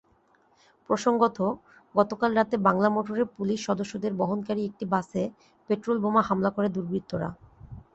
প্রসঙ্গত, গতকাল রাতে বাংলামোটরে পুলিশ সদস্যদের বহনকারী একটি বাসে পেট্রলবোমা হামলা করে দুর্বৃত্তরা।